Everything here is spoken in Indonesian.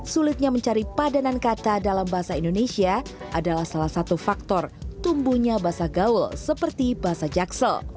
sulitnya mencari padanan kata dalam bahasa indonesia adalah salah satu faktor tumbuhnya bahasa gaul seperti bahasa jaksel